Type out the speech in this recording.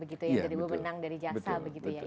jadi membenang dari jaksa